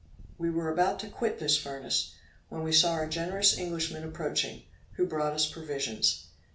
We were about to quit this furnace, when we saw our generous Englishman approaching, who brought us provisions.